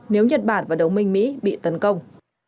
nếu nhật bản và đồng minh mỹ bị tấn công